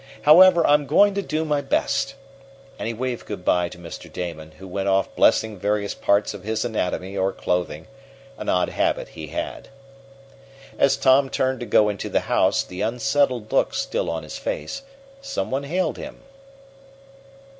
However, I'm going to do my best," and he waved good bye to Mr. Damon, who went off blessing various parts of his anatomy or clothing, an odd habit he had. As Tom turned to go into the house, the unsettled look still on his face, some one hailed him.